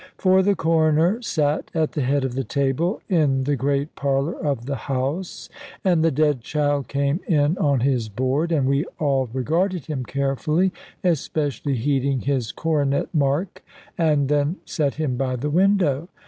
For the Coroner sate at the head of the table, in the great parlour of the house; and the dead child came in on his board, and we all regarded him carefully, especially heeding his coronet mark, and then set him by the window.